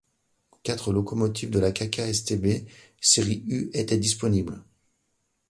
Quatre locomotives de la kkStB, série U étaient disponibles.